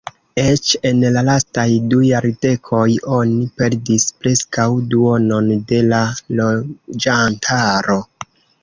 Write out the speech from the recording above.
Eĉ en la lastaj du jardekoj oni perdis preskaŭ duonon de la loĝantaro.